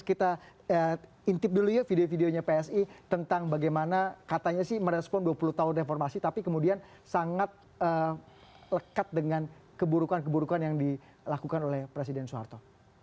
kita intip dulu ya video videonya psi tentang bagaimana katanya sih merespon dua puluh tahun reformasi tapi kemudian sangat lekat dengan keburukan keburukan yang dilakukan oleh presiden soeharto